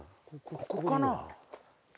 ここかな？